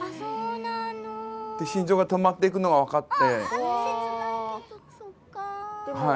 心臓が止まっていくのが分かって。